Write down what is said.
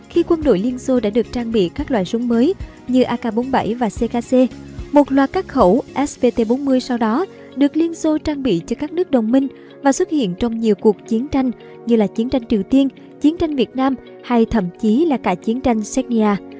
khi quân đội liên xô đã được trang bị các loại súng mới như ak bốn mươi bảy và ckc một loạt các khẩu svt bốn mươi sau đó được liên xô trang bị cho các nước đồng minh và xuất hiện trong nhiều cuộc chiến tranh như là chiến tranh triều tiên chiến tranh việt nam hay thậm chí là cả chiến tranh sedia